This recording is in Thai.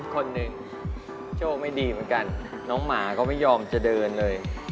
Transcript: คนหนึ่งโชคไม่ดีเหมือนกันน้องหมาก็ไม่ยอมจะเดินเลย